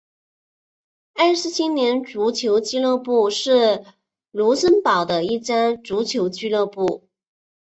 埃施青年足球俱乐部是卢森堡的一家足球俱乐部。